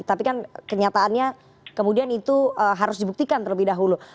tapi kan kenyataannya kemudian itu harus dibuktikan terlebih dahulu